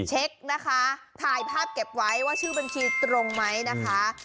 เช็คนะคะถ่ายภาพเก็บไว้ว่าชื่อบัญชีตรงไหมนะคะ